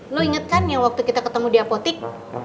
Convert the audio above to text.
lo inget kan ya waktu kita ketemu di apotek